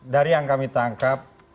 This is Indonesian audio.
dari yang kami tangkap